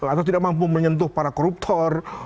atau tidak mampu menyentuh para koruptor